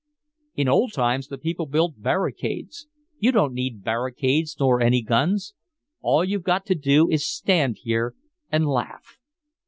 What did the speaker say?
In old times the people built barricades. You don't need barricades nor any guns all you've got to do is to stand here and laugh!